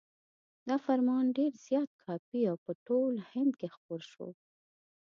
دا فرمان ډېر زیات کاپي او په ټول هند کې خپور شو.